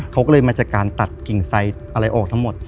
เขาก็เลยมาจากการตัดกิ่งไซด์อะไรออกทั้งหมด